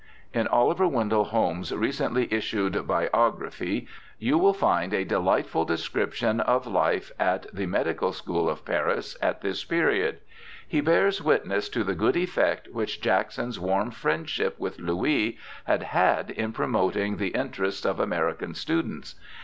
In Oliver Wendell Holmes's recently issued Biography you will find a defightful description of life at the Me dical School of Paris at this period. He bears witness to the good effect which Jackson's warm friendship with Louis had had in promoting the interests of American students.